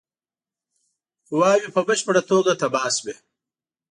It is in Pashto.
قواوي په بشپړه توګه تباه شوې.